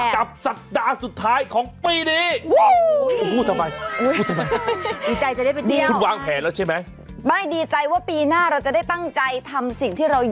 สัปดาห์สุดท้ายของปีนี้